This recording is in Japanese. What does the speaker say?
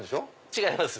違います。